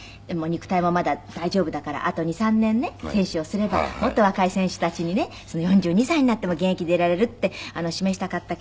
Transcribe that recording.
肉体もまだ大丈夫だからあと２３年ね選手をすればもっと若い選手たちにね４２歳になっても現役でいられるって示したかったけど。